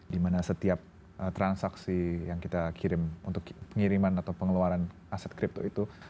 dimana setiap transaksi yang kita kirim untuk pengiriman atau pengeluaran aset kripto itu